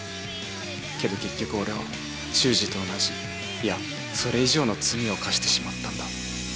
けど結局俺は秀司と同じいやそれ以上の罪を犯してしまったんだ。